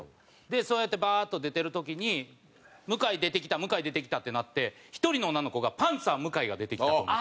でそうやってバーッと出てる時に「むかい出てきたむかい出てきた」ってなって１人の女の子がパンサー向井が出てきたと思って。